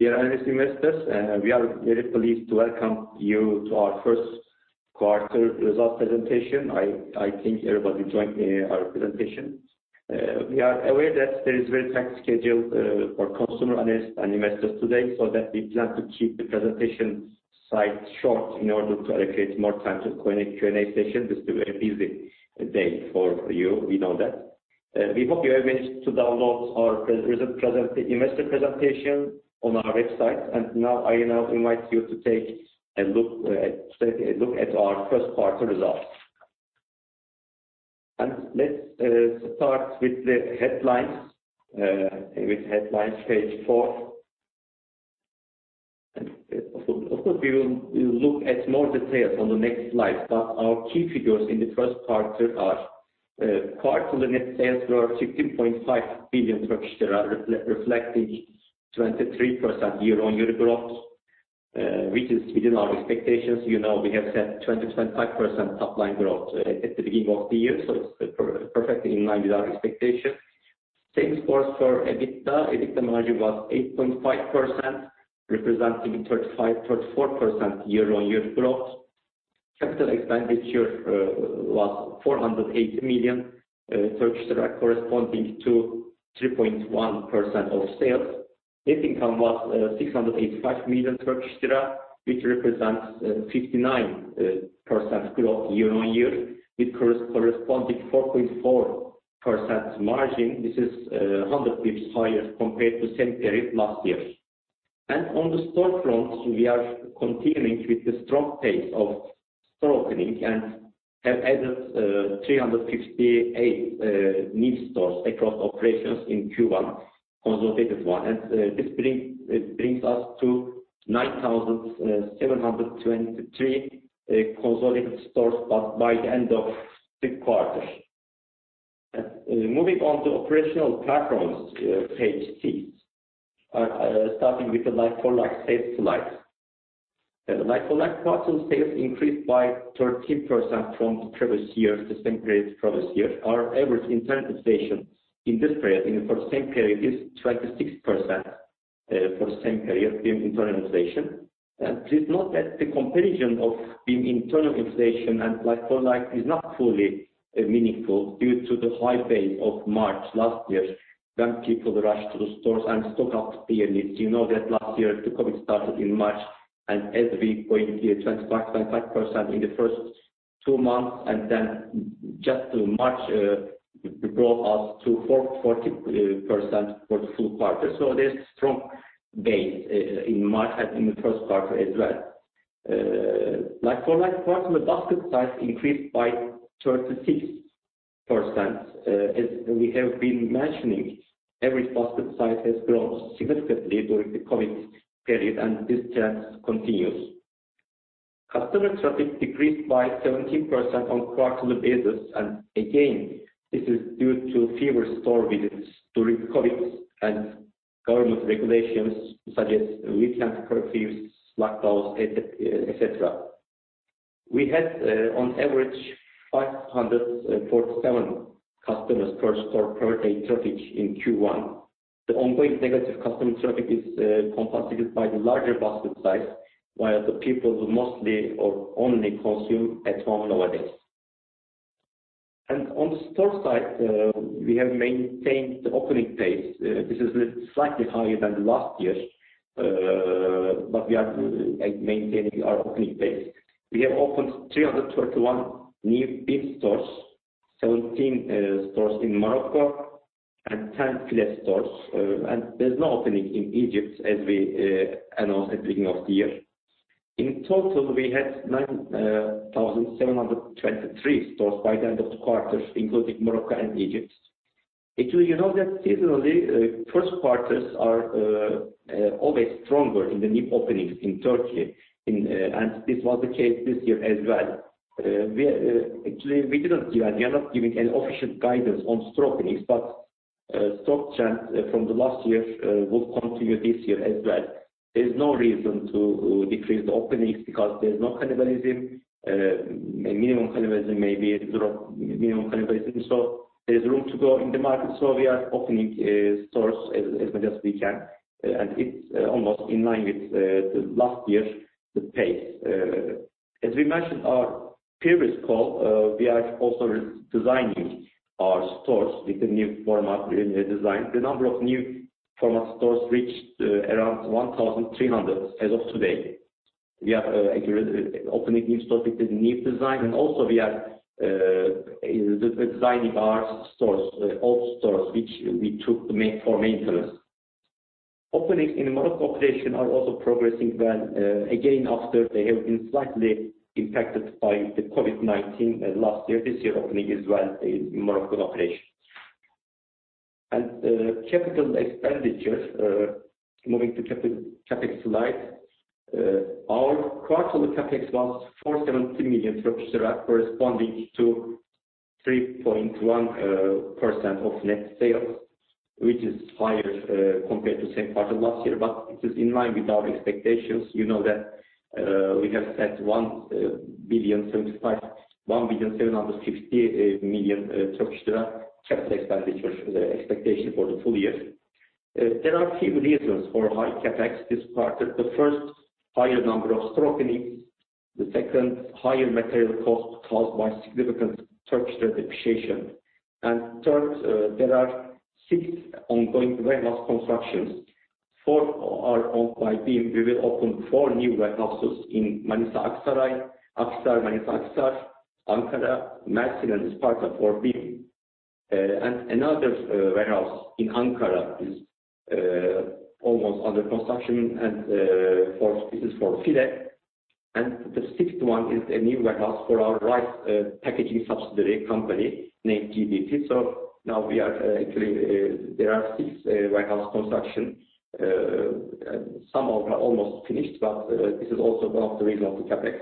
Dear analysts, investors, we are very pleased to welcome you to our first quarter results presentation. I think everybody joined our presentation. We are aware that there is a very tight schedule for customer analysts and investors today. We plan to keep the presentation side short in order to allocate more time to Q&A session. This is a very busy day for you. We know that. We hope you have managed to download our investor presentation on our website. Now I now invite you to take a look at our first quarter results. Let's start with the headlines, page four. Of course, we will look at more details on the next slide. Our key figures in the first quarter are: quarterly net sales were TRY 15.5 billion, reflecting 23% year-on-year growth, which is within our expectations. You know, we have set 20%-25% top-line growth at the beginning of the year, so it's perfectly in line with our expectation. Same goes for EBITDA. EBITDA margin was 8.5%, representing 34% year-on-year growth. Capital expenditure was 480 million, corresponding to 3.1% of sales. Net income was 685 million Turkish lira, which represents 59% growth year-on-year, with corresponding 4.4% margin. This is 100 basis points higher compared to the same period last year. On the store front, we are continuing with the strong pace of store opening and have added 368 new stores across operations in Q1, consolidated. This brings us to 9,723 consolidated stores by the end of the quarter. Moving on to operational platforms, page six. Starting with the like-for-like sales slide. Like-for-like quarter sales increased by 13% from the same period previous year. Our average inflation in this period, for the same period, is 26% for the same period BIM internal inflation. Please note that the comparison of BIM internal inflation and like-for-like is not fully meaningful due to the high base of March last year, when people rushed to the stores and stocked up their needs. You know that last year the COVID started in March, and as we going here 25% in the first two months, and then just March brought us to 40% for the full quarter. There's a strong base in March and in the first quarter as well. Like-for-like quarter basket size increased by 36%. As we have been mentioning, average basket size has grown significantly during the COVID period, and this trend continues. Customer traffic decreased by 17% on a quarterly basis, and again, this is due to fewer store visits during COVID and government regulations such as weekend curfews, lockdowns, et cetera. We had on average 547 customers per store per day traffic in Q1. The ongoing negative customer traffic is compensated by the larger basket size, while the people mostly or only consume at home nowadays. On the store side, we have maintained the opening pace. This is slightly higher than last year, but we are maintaining our opening pace. We have opened 341 new BIM stores, 17 stores in Morocco, and 10 File stores. There's no opening in Egypt as we announced at the beginning of the year. In total, we had 9,723 stores by the end of the quarter, including Morocco and Egypt. You know that seasonally, first quarters are always stronger in the new openings in Turkey. This was the case this year as well. Actually, we are not giving any official guidance on store openings. Store trends from last year will continue this year as well. There's no reason to decrease the openings because there's no cannibalization. Minimum cannibalization, maybe. There is room to grow in the market. We are opening stores as much as we can. It's almost in line with last year's pace. As we mentioned our previous call, we are also redesigning our stores with a new format design. The number of new format stores reached around 1,300 as of today. We are opening new stores with the new design. Also, we are redesigning our old stores, which we took for maintenance. Openings in Morocco operations are also progressing well again after they have been slightly impacted by the COVID-19 last year. This year opening as well in Moroccan operations. Capital expenditures, moving to CapEx slide. Our quarterly CapEx was 470 million corresponding to 3.1% of net sales, which is higher compared to same quarter last year. It is in line with our expectations. You know that we have set TRY 1,760 million capital expenditure expectation for the full year. There are a few reasons for high CapEx this quarter. The first, higher number of store openings. The second, higher material costs caused by significant Turkish lira depreciation. Third, there are six ongoing warehouse constructions. Four are owned by BIM. We will open four new warehouses in Manisa, Aksaray, Ankara, Mersin, and Isparta for BIM. Another warehouse in Ankara is almost under construction, and this is for File. The sixth one is a new warehouse for our rice packaging subsidiary company named GDT. Now actually, there are six warehouse constructions. Some are almost finished, but this is also one of the reasons for CapEx.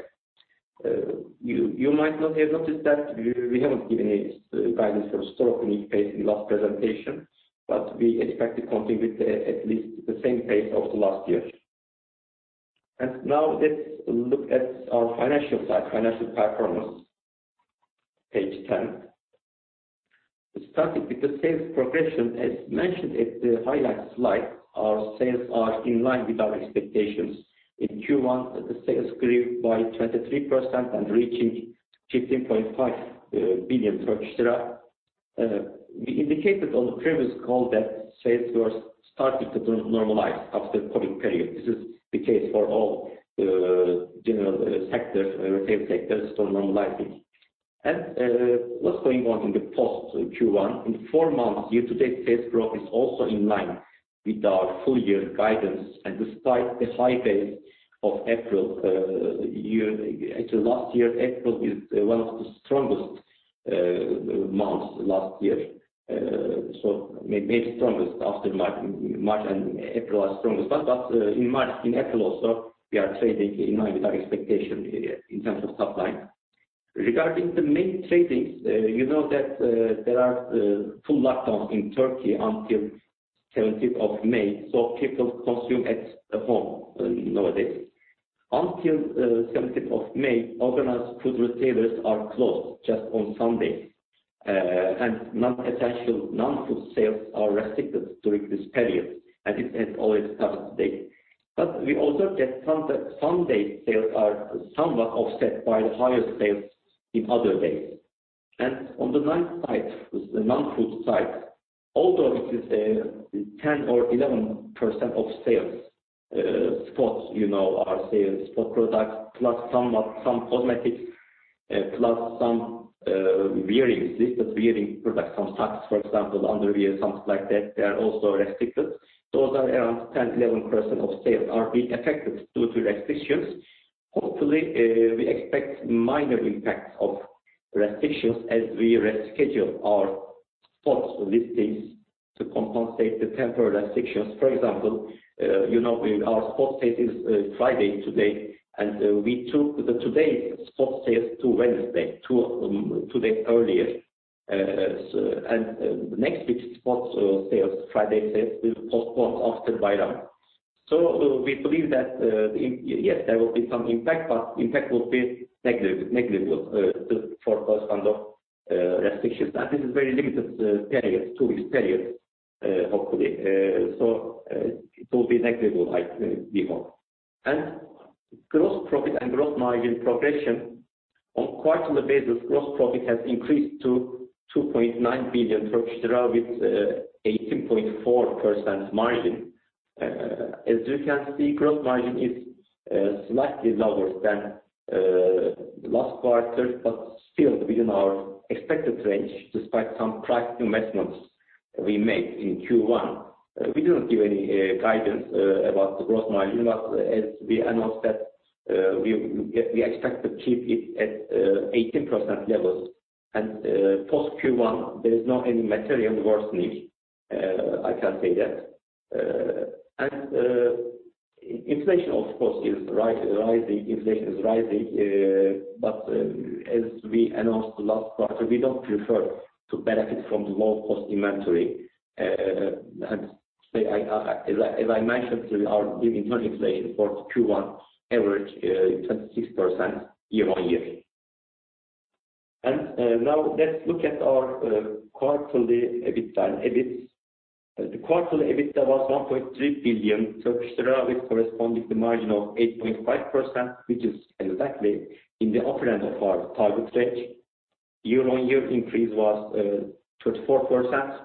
You might not have noticed that we haven't given any guidance for store opening pace in the last presentation, but we expect to continue with at least the same pace of the last year. Now let's look at our financial side, financial performance. Page 10. Starting with the sales progression, as mentioned in the highlights slide, our sales are in line with our expectations. In Q1, the sales grew by 23% and reaching 15.5 billion. We indicated on the previous call that sales were starting to normalize after the COVID period. This is the case for all general sales sectors, store normalizing. What's going on in the post Q1? In four months, year-to-date sales growth is also in line with our full-year guidance. Despite the high base of April, actually last year April is one of the strongest months last year. Maybe strongest after March. March and April are the strongest, but in April also, we are trading in line with our expectation in terms of top line. Regarding the main tradings, you know that there are full lockdowns in Turkey until 17th of May, so people consume at home nowadays. Until 17th of May, organized food retailers are closed just on Sundays, and non-essential non-food sales are restricted during this period, and it always starts today. We also get some day sales are somewhat offset by the higher sales in other days. On the non-food side, although it is 10% or 11% of sales, sports, you know our sales for sports products, plus some cosmetics, plus some wearing products, some socks, for example, underwear, some stuff like that, they are also restricted. Those are around 10%, 11% of sales are being affected due to restrictions. Hopefully, we expect minor impacts of restrictions as we reschedule our sports listings to compensate the temporary restrictions. For example, you know our sports day is Friday today, and we took today's sports sales to Wednesday, two days earlier. Next week's sports sales, Friday sales, will be postponed after Bayram. We believe that, yes, there will be some impact, but the impact will be negligible for those kinds of restrictions. This is a very limited period, two-week period, hopefully. It will be negligible, I think. Gross profit and gross margin progression. On a quarterly basis, gross profit has increased to TRY 2.9 billion with 18.4% margin. As you can see, gross margin is slightly lower than last quarter, but still within our expected range despite some price investments we made in Q1. We didn't give any guidance about the gross margin, but as we announced that we expect to keep it at 18% levels. Post Q1, there is not any material worsening. I can say that. Inflation, of course, is rising. As we announced last quarter, we don't prefer to benefit from the low-cost inventory. As I mentioned, our living inflation for Q1 average is 26% year-on-year. Now let's look at our quarterly EBITDA and EBIT. The quarterly EBITDA was 1.3 billion with corresponding margin of 8.5%, which is exactly in the upper end of our target range. Year-on-year increase was 34%.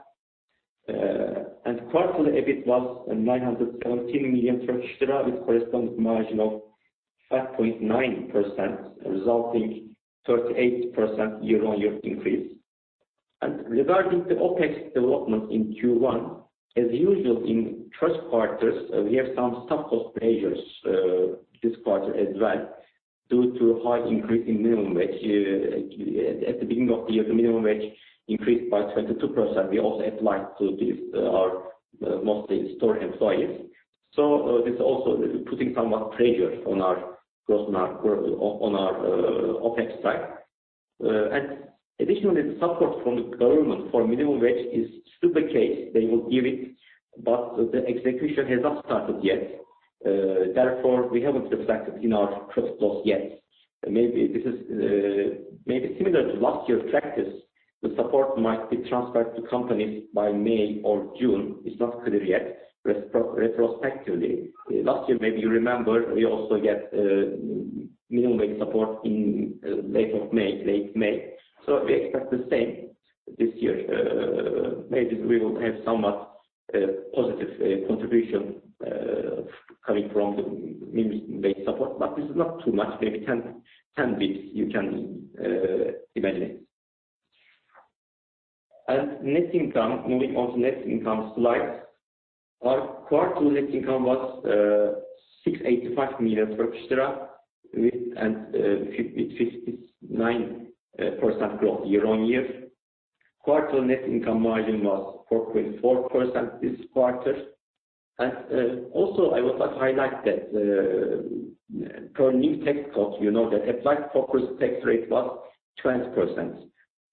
Quarterly EBIT was TRY 917 million with corresponding margin of 5.9%, resulting 38% year-on-year increase. Regarding the OpEx development in Q1, as usual in first quarters, we have some staff cost pressures this quarter as well due to high increase in minimum wage. At the beginning of the year, the minimum wage increased by 22%. We also applied to our mostly store employees. This is also putting somewhat pressure on our OpEx side. Additionally, the support from the government for minimum wage is still the case. They will give it, but the execution has not started yet. Therefore, we haven't reflected in our profit loss yet. Maybe this is similar to last year's practice. The support might be transferred to companies by May or June, it's not clear yet, retrospectively. Last year, maybe you remember, we also get minimum wage support in late May. We expect the same this year. Maybe we will have somewhat positive contribution coming from the minimum wage support, but this is not too much. Maybe 10 basis points, you can imagine. Net income, moving on to net income slide. Our quarter net income was 685 million, with 59% growth year-on-year. Quarter net income margin was 4.4% this quarter. Also, I would like to highlight that per new tax code, you know that applied corporate tax rate was 20%,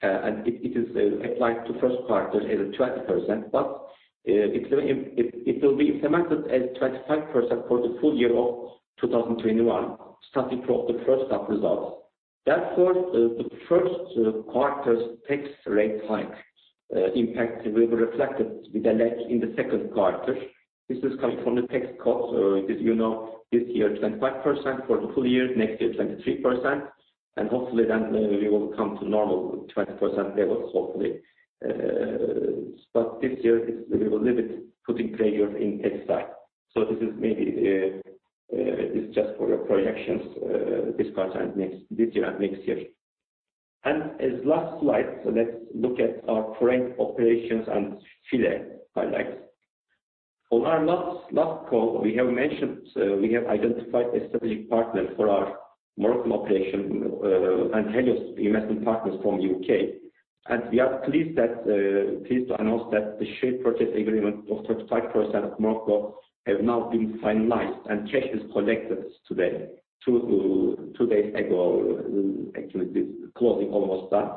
and it is applied to first quarter at 20%, but it will be implemented at 25% for the full year of 2021, starting from the first half results. Therefore, the first quarter's tax rate hike impact will be reflected with a lag in the second quarter. This is coming from the tax code. As you know, this year, 25% for the full year, next year, 23%. Hopefully then we will come to normal 20% levels, hopefully. This year, we will leave it putting pressure in tax side. This is maybe just for your projections this year and next year. As last slide, let's look at our foreign operations and File highlights. On our last call, we have mentioned we have identified a strategic partner for our Moroccan operation, Helios Investment Partners from U.K. We are pleased to announce that the share purchase agreement of 35% Morocco have now been finalized, and cash is collected today, two days ago. Actually, this closing almost done.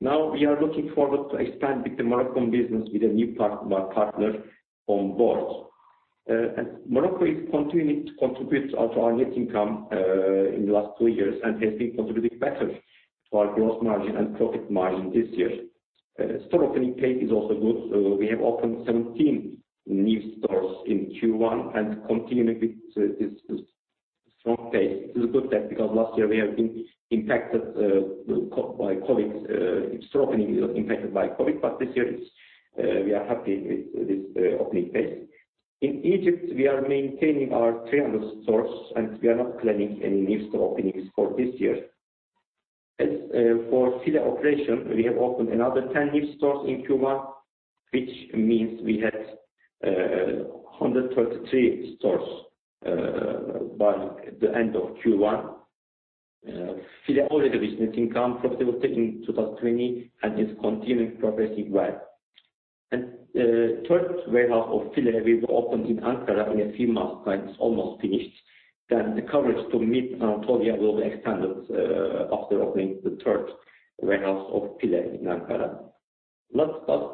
We are looking forward to expand the Moroccan business with a new partner on board. Morocco is continuing to contribute to our net income in the last two years and has been contributing better to our gross margin and profit margin this year. Store opening pace is also good. We have opened 17 new stores in Q1 and continuing with this strong pace. This is good because last year we have been impacted by COVID. Store opening was impacted by COVID, but this year we are happy with this opening pace. In Egypt, we are maintaining our 300 stores, and we are not planning any new store openings for this year. As for File operation, we have opened another 10 new stores in Q1, which means we had 133 stores by the end of Q1. File already reached net income profitability in 2020 and is continuing progressing well. Third warehouse of File will be opened in Ankara in a few months, but it's almost finished. The coverage to meet Anatolia will be expanded after opening the third warehouse of File in Ankara. Last but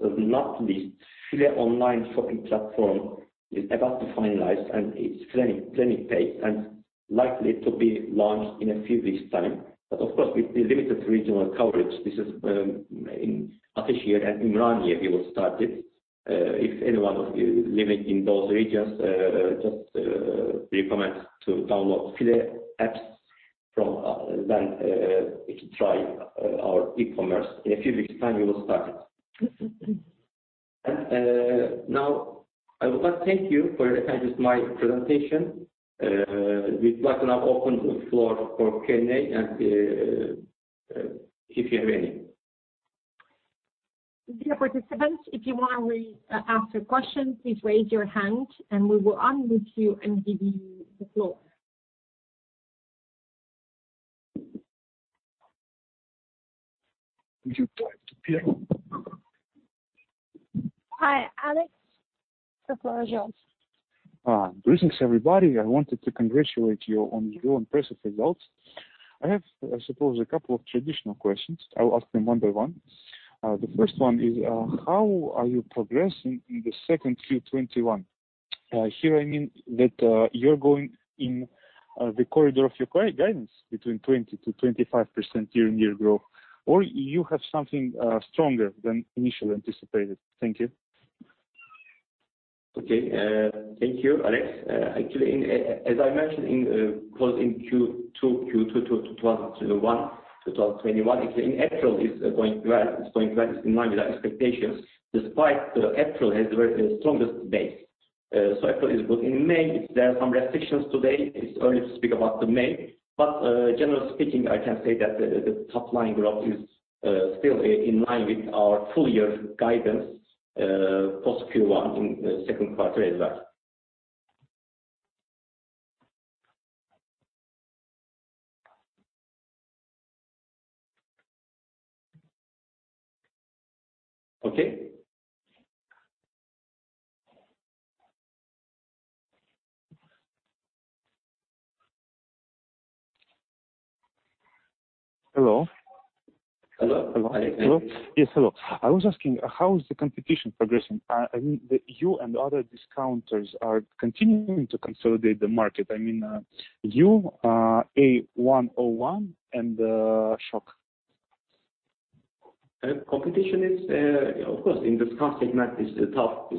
not least, File Online is about to finalize, and it's planning pace and likely to be launched in a few weeks' time. Of course, with the limited regional coverage, this is in Ataşehir and Ümraniye we will start it. If anyone of you living in those regions, just recommend to download File apps from then you can try our e-commerce. In a few weeks' time, we will start it. Now, I would like to thank you for attending my presentation. We'd like to now open the floor for Q&A and if you have any. Dear participants, if you want to ask a question, please raise your hand and we will unmute you and give you the floor. [Would you like to hear?] Hi, Alex. Greetings, everybody. I wanted to congratulate you on your impressive results. I have, I suppose, a couple of traditional questions. I'll ask them one by one. The first one is, how are you progressing in the second Q 2021? Here I mean that you're going in the corridor of your guidance between 20%-25% year-on-year growth, or you have something stronger than initially anticipated. Thank you. Okay. Thank you, Alex. Actually, as I mentioned in closing Q2 2021, actually in April, it's going well. It's going well. It's in line with our expectations, despite April has the strongest base. April is good. In May, there are some restrictions today. It's early to speak about the May, but generally speaking, I can say that the top-line growth is still in line with our full-year guidance post Q1 in the second quarter as well. Okay. Hello? Hello. Yes, hello. I was asking, how is the competition progressing? You and other discounters are continuing to consolidate the market. You, A101, and Şok. Competition is, of course, in discount segment, it's tough.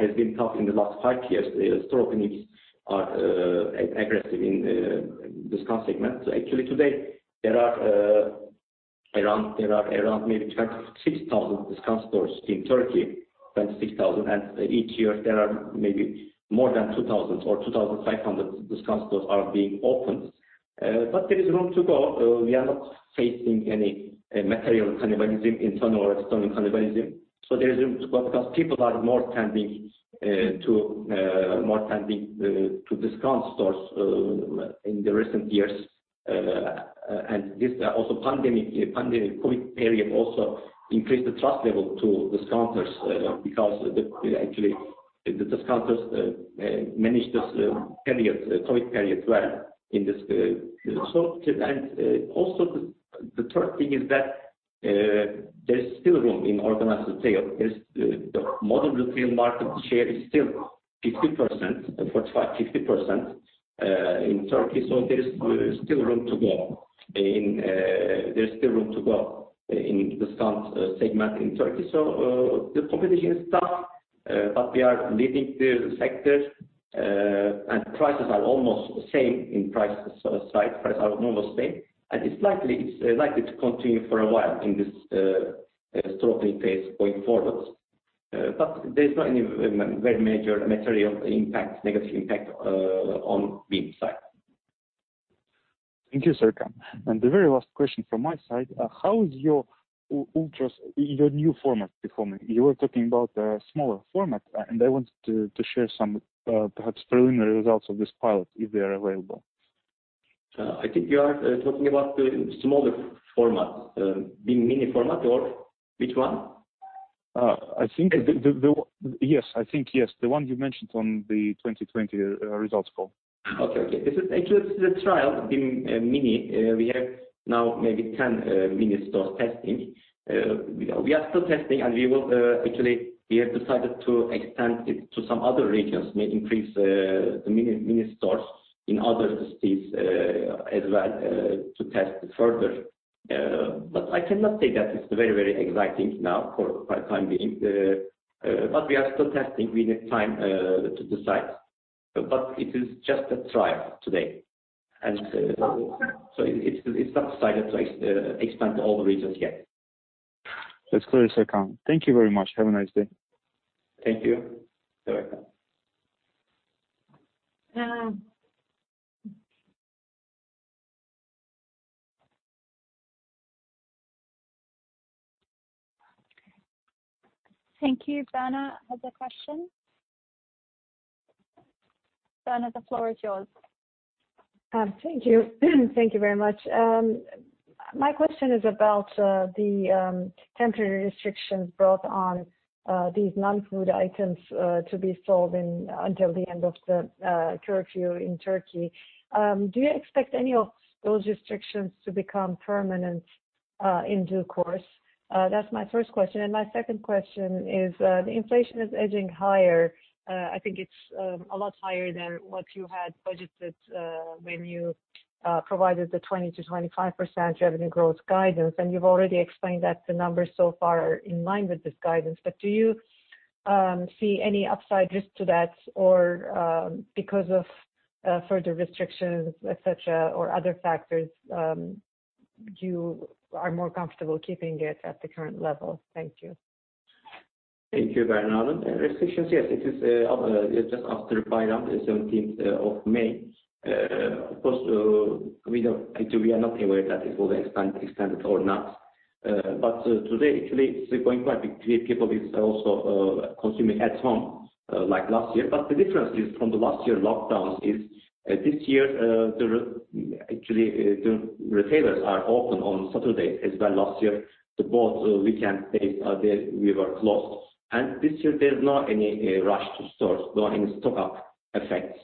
It's been tough in the last five years. The store openings are aggressive in discount segment. Actually today, there are around maybe 26,000 discount stores in Turkey. Each year there are maybe more than 2,000 or 2,500 discount stores are being opened. There is room to go. We are not facing any material cannibalism, internal or external cannibalism. There is room to go because people are more tending to discount stores in the recent years. The COVID period also increased the trust level to discounters because, actually, the discounters managed this COVID period well. Also, the third thing is that there is still room in organized retail. The modern retail market share is still 50%, 45%-50% in Turkey, so there is still room to go. There's still room to go in discount segment in Turkey. The competition is tough, but we are leading the sector. Prices are almost the same in price side. Price are almost same, and it's likely to continue for a while in this strong pace going forward. There's not any very major material impact, negative impact on BIM side. Thank you, Serkan. The very last question from my side, how is your Ultras, your new format, performing? You were talking about a smaller format, and I wanted to share some perhaps preliminary results of this pilot, if they are available. I think you are talking about the smaller format. BIM Mini format or which one? Yes. I think yes. The one you mentioned on the 2020 results call. Okay. Actually, this is a trial, BIM Mini. We have now maybe 10 mini stores testing. We are still testing, and actually, we have decided to extend it to some other regions, may increase the mini stores in other cities as well to test it further. But I cannot say that it's very exciting now for time being. But we are still testing. We need time to decide. But it is just a trial today. It's not decided to expand to all the regions yet. That's clear, Serkan. Thank you very much. Have a nice day. Thank you. You're welcome. Thank you. Berna has a question. Berna, the floor is yours. Thank you. Thank you very much. My question is about the temporary restrictions brought on these non-food items to be sold until the end of the curfew in Turkey. Do you expect any of those restrictions to become permanent in due course? That's my first question. My second question is, the inflation is edging higher. I think it's a lot higher than what you had budgeted when you provided the 20%-25% revenue growth guidance. You've already explained that the numbers so far are in line with this guidance. Do you see any upside risk to that, or because of further restrictions, et cetera, or other factors, you are more comfortable keeping it at the current level? Thank you. Thank you, Berna. Restrictions, yes. It is just after Bayram, the 17th of May. Of course, we are not aware that it will be extended or not. Today, actually, it's going quite big. People is also consuming at home like last year. The difference is from the last year lockdowns is this year, actually, the retailers are open on Saturday as well. Last year, both weekend days we were closed. This year there's not any rush to stores, no any stock-up effect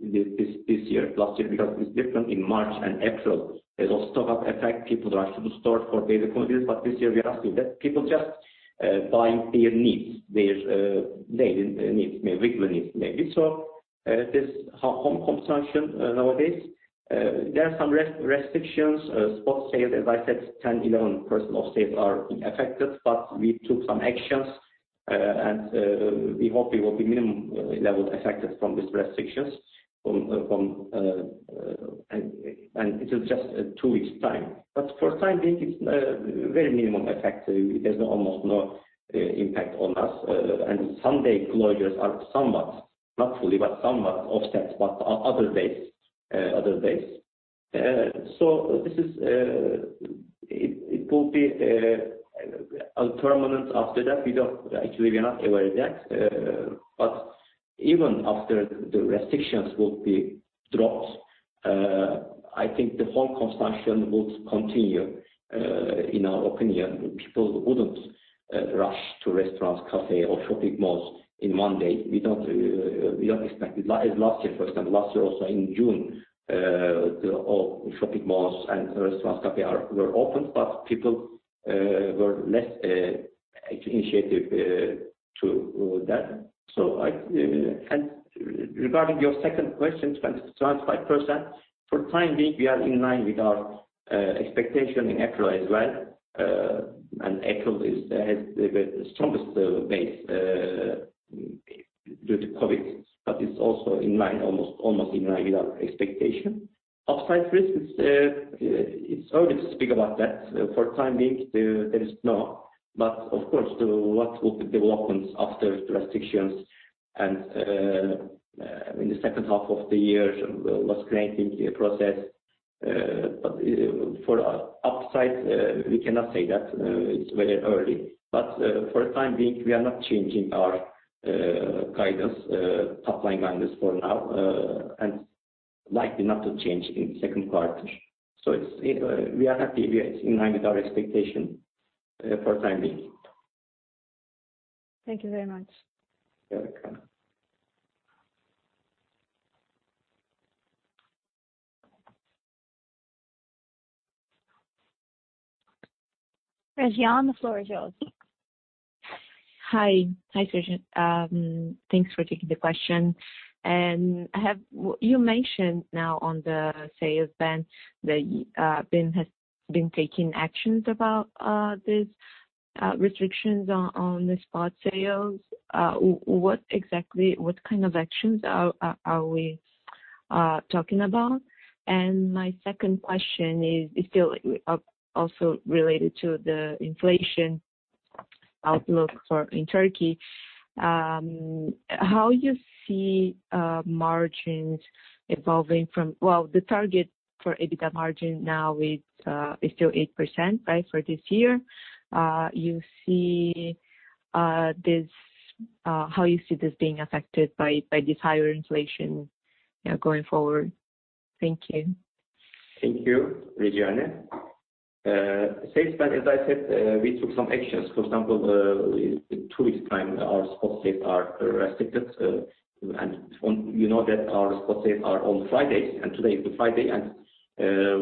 this year. Last year, because it's different in March and April. There was stock-up effect. People rush to the stores for daily commodities. This year, we are seeing that people just buying their needs, their daily needs, maybe weekly needs. This home consumption nowadays. There are some restrictions. Spot sales, as I said, 10%, 11% of sales are being affected, but we took some actions, and we hope it will be minimum level affected from these restrictions. It is just a two weeks' time. For the time being, it's very minimum effect. There's almost no impact on us. Sunday closures are somewhat, not fully, but somewhat offset by other days. It will be a permanent after that. Actually, we are not aware of that. Even after the restrictions will be dropped, I think the home consumption would continue. In our opinion, people wouldn't rush to restaurants, cafe or shopping malls in one day. We don't expect it. Like last year, for example, last year also in June, all shopping malls and restaurants, cafe were open, but people were less initiative to that. Regarding your second question, 25%, for the time being, we are in line with our expectation in April as well. April has the strongest base due to COVID, but it's also almost in line with our expectation. Upside risks, it's early to speak about that. For the time being, there is no, but of course, what will be developments after restrictions and in the second half of the year was creating the process. For upside, we cannot say that. It's very early. For the time being, we are not changing our top-line guidance for now. Likely not to change in the second quarter. We are happy. We are in line with our expectation for the time being. Thank you very much. You're welcome. Regiane, the floor is yours. Hi. Hi, Serkan. Thanks for taking the question. You mentioned now on the sales ban that BIM has been taking actions about these restrictions on the spot sales. What kind of actions are we talking about? My second question is still also related to the inflation outlook in Turkey. How you see margins evolving. Well, the target for EBITDA margin now is still 8%, right, for this year. How you see this being affected by this higher inflation going forward? Thank you. Thank you, Regiane. Sales ban, as I said, we took some actions. For example, in two weeks' time, our spot sales are restricted. You know that our spot sales are on Fridays, and today is the Friday.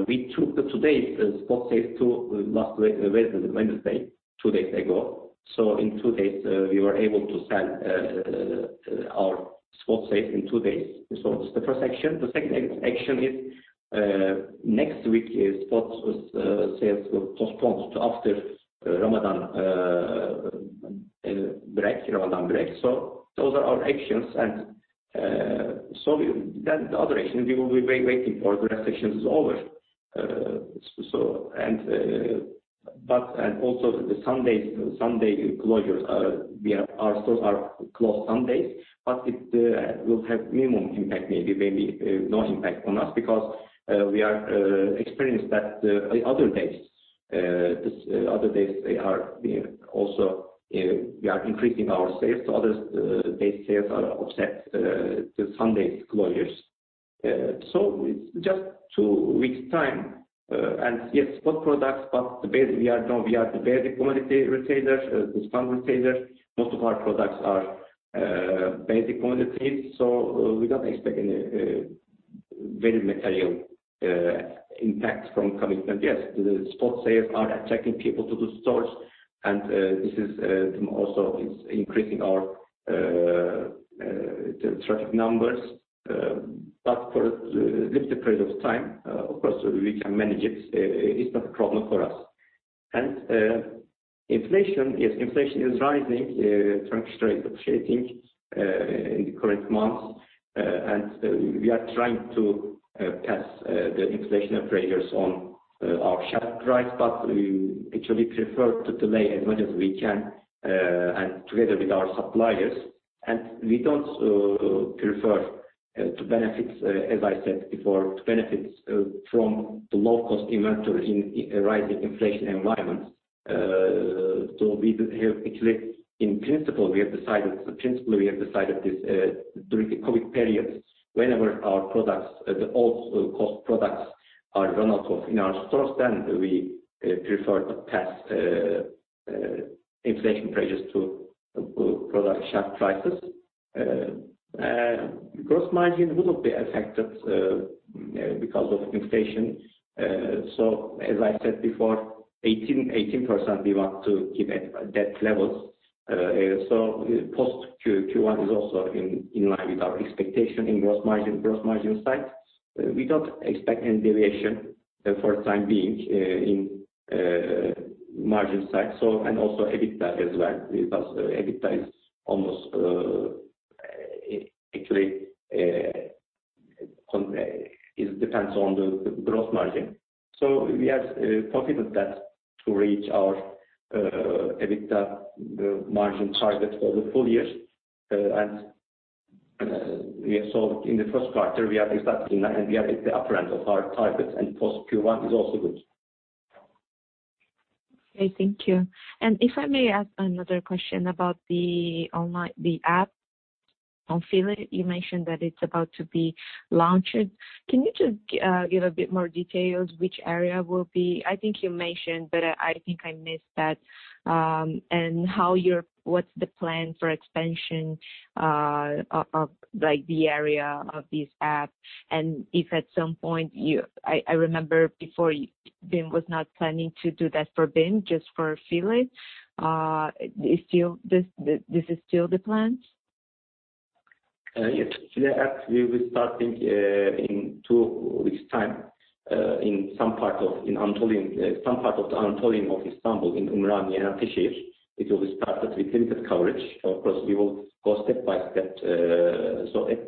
We took today's spot sales to last Wednesday, two days ago. In two days, we were able to sell our spot sales in two days. It's the first action. The second action is next week's spot sales will be postponed to after Ramadan break. Those are our actions. Then the other action, we will be waiting for the restrictions is over. Also, the Sunday closures, our stores are closed Sundays, but it will have minimum impact, maybe no impact on us because we are experienced that the other days, we are increasing our sales. Other day sales are offset to Sunday's closures. It's just two weeks' time. Yes, spot products, we are the basic commodity retailer, discount retailer. Most of our products are basic commodities, we don't expect any very material impact from coming. Yes, the spot sales are attracting people to the stores, this is also increasing our traffic numbers. For this period of time, of course, we can manage it. It's not a problem for us. Inflation. Yes, inflation is rising, trend is appreciating in the current months. We are trying to pass the inflation pressures on our shelf price, we actually prefer to delay as much as we can together with our suppliers. We don't prefer, as I said before, to benefit from the low-cost inventory in a rising inflation environment. In principle, we have decided this during the COVID period. Whenever our products, the old cost products are run out of in our stores, then we prefer to pass inflation pressures to product shelf prices. Gross margin will not be affected because of inflation. As I said before, 18% we want to keep at that level. Post Q1 is also in line with our expectation in gross margin side. We don't expect any deviation for the time being in margin side, and also EBITDA as well, because EBITDA is almost actually, it depends on the gross margin. We are confident that to reach our EBITDA margin target for the full year. In the first quarter, we are exactly in that, and we are at the upper end of our target, and post Q1 is also good. Okay. Thank you. If I may ask another question about the app on File, you mentioned that it's about to be launched. Can you just give a bit more details which area will be I think you mentioned, but I think I missed that. What's the plan for expansion of the area of this app, if at some point I remember before, BIM was not planning to do that for BIM, just for File. This is still the plan? Yes. File Online, we'll be starting in two weeks' time. In some part of the Anatolian side of Istanbul, in Ümraniye and Ataşehir, it will be started with limited coverage.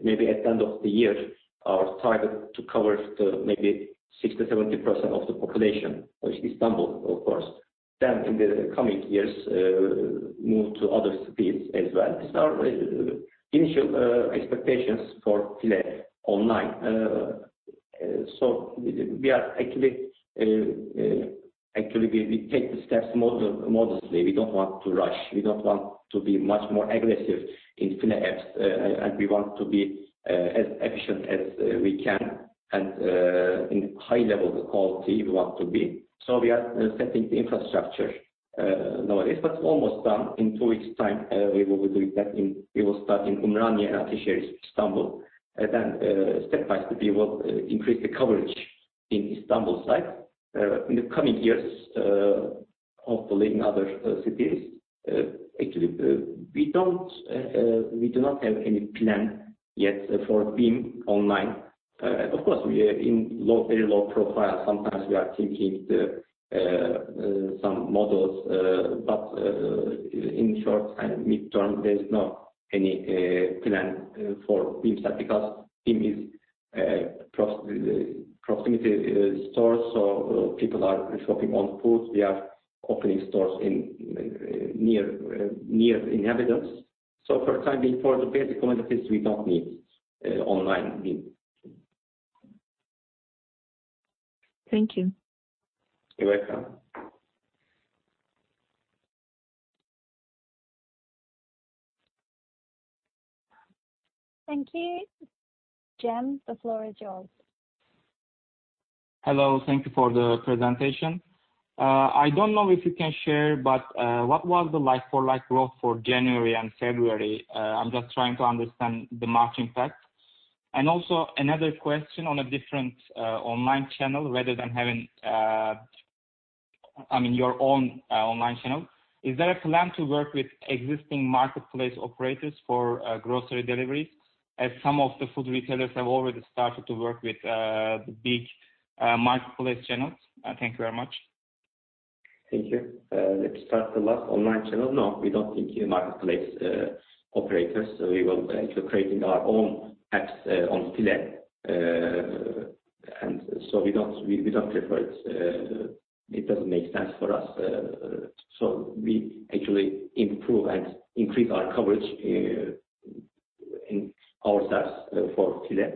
Maybe at the end of the year, our target to cover maybe 60%-70% of the population of Istanbul, of course. In the coming years, move to other cities as well. These are initial expectations for File Online. We are actually, we take the steps modestly. We don't want to rush. We don't want to be much more aggressive in File Online, we want to be as efficient as we can and in high level of quality we want to be. We are setting the infrastructure nowadays. Almost done. In two weeks' time, we will be doing that in Ümraniye and Ataşehir, Istanbul. Step by step, we will increase the coverage in Istanbul side. In the coming years, hopefully in other cities. Actually, we do not have any plan yet for BIM Online. Of course, we are in very low profile. Sometimes we are thinking some models. In short and mid-term, there's no any plan for BIM because BIM is proximity stores, so people are shopping on foot. We are opening stores near inhabitants. For the time being, for the basic commodities, we don't need online BIM. Thank you. You're welcome. Thank you. Cem, the floor is yours. Hello. Thank you for the presentation. I don't know if you can share, but what was the like-for-like growth for January and February? I'm just trying to understand the March impact. Also another question on a different online channel rather than having your own online channel. Is there a plan to work with existing marketplace operators for grocery deliveries, as some of the food retailers have already started to work with the big marketplace channels? Thank you very much. Thank you. Let's start the last online channel. No, we don't think marketplace operators. We will be creating our own apps on File. We don't prefer it. It doesn't make sense for us. We actually improve and increase our coverage in ourselves for File.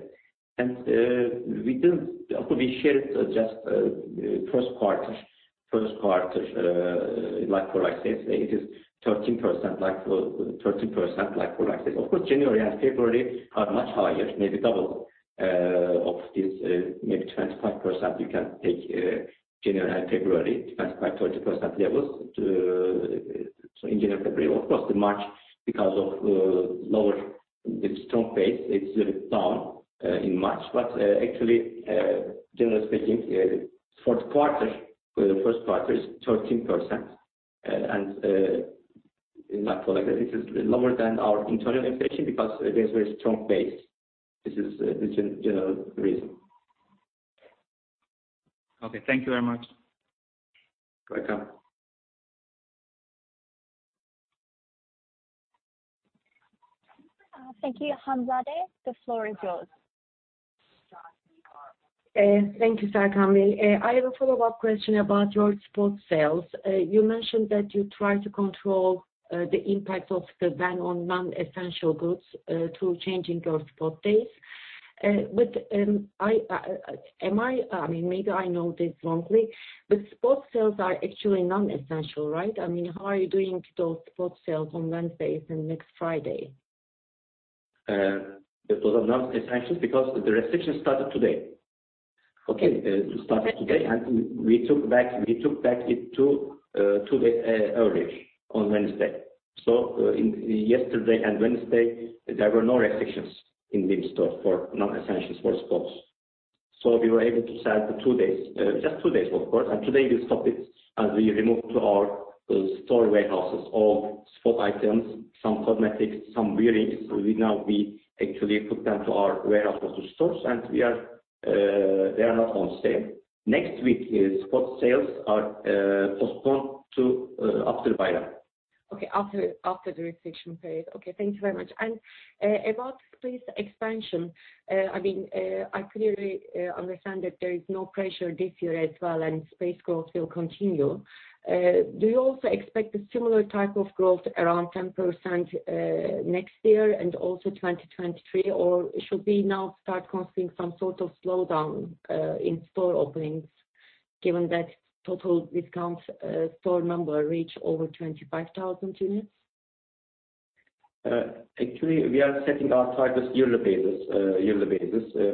We shared just first quarter like-for-like sales. It is 13% like-for-like sales. Of course, January and February are much higher, maybe double of this, maybe 25%. You can take January and February, 25%, 30% levels. In January, February. Of course, in March, because of strong base. It's down in March. Actually, generally speaking, fourth quarter to the first quarter is 13%. Like-for-like, this is lower than our internal expectation because there's very strong base. This is the general reason. Okay. Thank you very much. Welcome. Thank you. Hanzade, the floor is yours. Thank you, Serkan. I have a follow-up question about your spot sales. You mentioned that you try to control the impact of the ban on non-essential goods through changing your spot days. Maybe I know this wrongly, but spot sales are actually non-essential, right? How are you doing those spot sales on Wednesday if next Friday? Those are non-essential because the restriction started today. Okay? It started today, we took back it two days earlier on Wednesday. Yesterday and Wednesday, there were no restrictions in BIM store for non-essentials, for spot. We were able to sell for two days, just two days, of course. Today we stopped it as we removed to our store warehouses, all spot items, some cosmetics, some wearings. We now actually put them to our warehouses to stores, they are not on sale. Next week's spot sales are postponed to after Bayram. Okay. After the restriction period. Okay. Thank you very much. About space expansion, I clearly understand that there is no pressure this year as well, and space growth will continue. Do you also expect a similar type of growth around 10% next year and also 2023? Should we now start considering some sort of slowdown in store openings, given that total discount store number reached over 25,000 units? Actually, we are setting our targets yearly basis,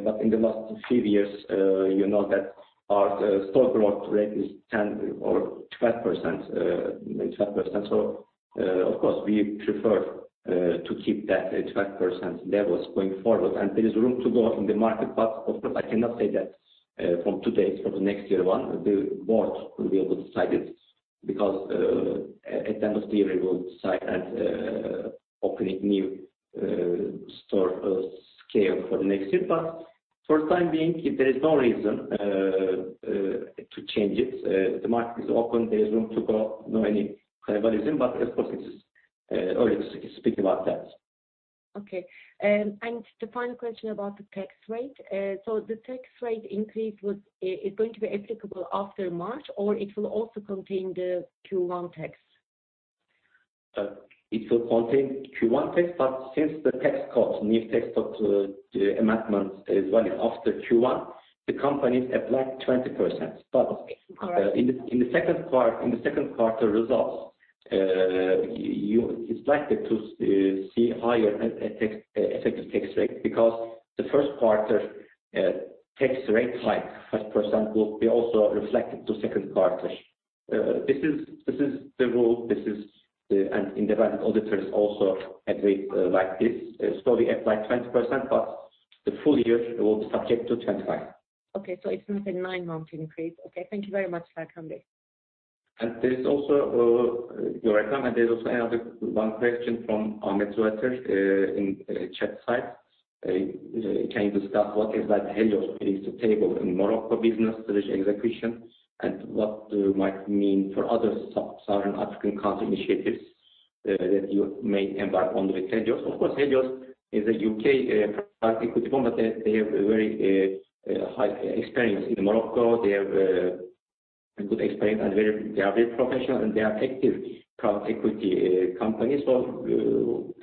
but in the last few years, you know that our store growth rate is 10% or 12%. Of course, we prefer to keep that at 12% levels going forward. There is room to grow in the market, but, of course, I cannot say that from today to the next year, one, the board will be able to decide it, because at the end of the year, we will decide at opening new store scale for next year. For the time being, there is no reason to change it. The market is open. There's room to grow. No any cannibalism, but of course it is early to speak about that. Okay. The final question about the tax rate. The tax rate increase is going to be applicable after March, or it will also contain the Q1 tax? It will contain Q1 tax, but since the new tax code amendment is running after Q1, the companies apply 20%. Okay. All right. In the second quarter results, it's likely to see higher effective tax rate because the first quarter tax rate hike 5% will be also reflected to second quarter. This is the rule. Independent auditors also agree like this. We apply 20%, but the full year will be subject to 25%. Okay, it's not a nine-month increase. Okay, thank you very much, Serkan. Your welcome. There's also another one question from Ahmed Sueter in chat site. "Can you discuss what is that Helios brings to table in Morocco business strategic execution, and what might mean for other Southern African country initiatives that you may embark on with Helios?" Of course, Helios is a U.K. private equity firm, but they have a very high experience in Morocco. They have a good experience, and they are very professional, and they are active private equity company.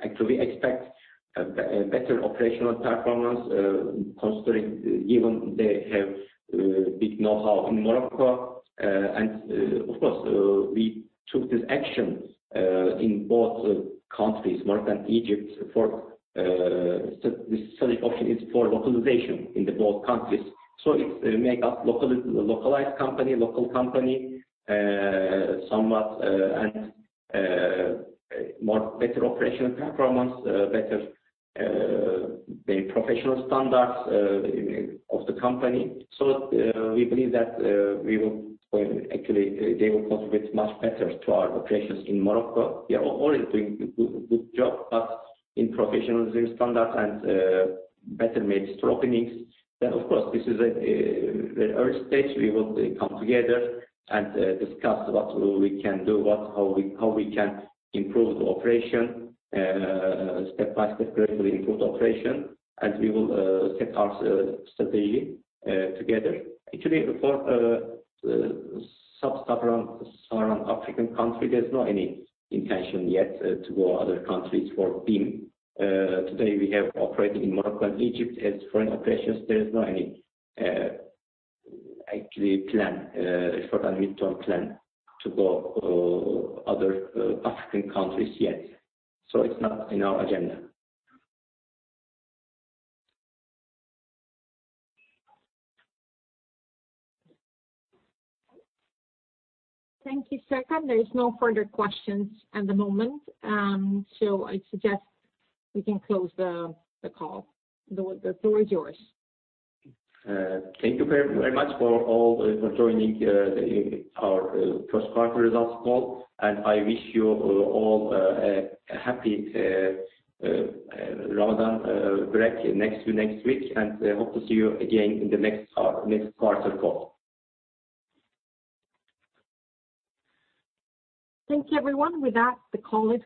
Actually expect better operational performance, considering even they have big know-how in Morocco. Of course, we took these actions in both countries, Morocco and Egypt, for this selling option is for localization in the both countries. It make up localized company, local company, somewhat, and better operational performance, better professional standards of the company. We believe that actually they will contribute much better to our operations in Morocco. They are already doing a good job, but in professionalism standard and better store openings. Of course, this is the early stage. We will come together and discuss what we can do, how we can improve the operation step by step, gradually improve the operation, and we will set our strategy together. For sub-Saharan African country, there's no any intention yet to go other countries for BIM. Today, we have operating in Morocco and Egypt as foreign operations. There's no any actually plan, short and midterm plan, to go other African countries yet. It's not in our agenda. Thank you, Serkan. There is no further questions at the moment. I suggest we can close the call. The floor is yours. Thank you very much for all for joining our first quarter results call, and I wish you all a happy Ramadan break next to next week, and hope to see you again in the next quarter call. Thank you everyone. With that, the call is